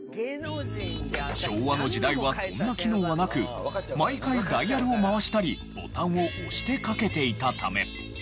昭和の時代はそんな機能はなく毎回ダイヤルを回したりボタンを押してかけていたため。